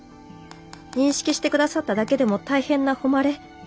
認識して下さっただけでも大変な誉れ。